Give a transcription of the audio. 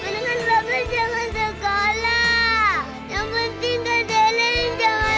dan periksa juga buku nikah dan foto yang dia bawa